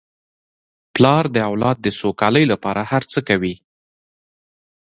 پلار د اولاد د سوکالۍ لپاره هر څه کوي.